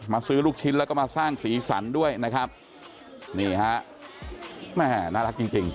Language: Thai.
ซื้อลูกชิ้นแล้วก็มาสร้างสีสันด้วยนะครับนี่ฮะแม่น่ารักจริงจริง